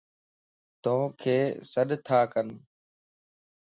توک سڏتاڪن